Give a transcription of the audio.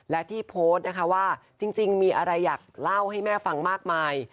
และที่โพสต์นะคะว่าจริงมีอะไรอยากเล่าให้แม่ฟังมากมาย